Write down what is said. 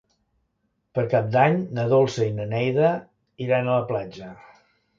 Per Cap d'Any na Dolça i na Neida iran a la platja.